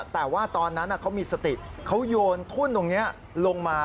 แต่ว่าตอนนั้นเขามีสติเขาโยนทุ่นตรงนี้ลงมา